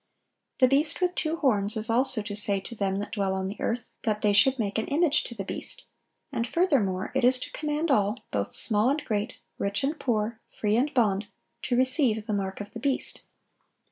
The beast with two horns is also to say "to them that dwell on the earth, that they should make an image to the beast;" and, furthermore, it is to command all, "both small and great, rich and poor, free and bond," to receive "the mark of the beast."